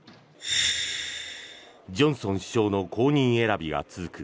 ジョンソン首相の後任選びが続く